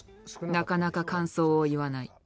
なかなか感想を言わない。